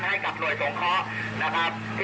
ให้กับพี่น้องประชาชนทุกคนที่